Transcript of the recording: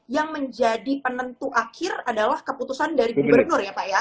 yang menjadi penentu akhir adalah keputusan dari gubernur ya pak ya